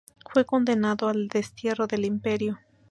Fue condenado al destierro del Imperio.